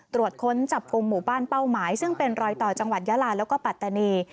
ตรวจค้นจับกลุ่มหมู่บ้านเป้าหมายซึ่งเป็นรอยต่อจังหวัดยาลาแล้วก็ปัตตานี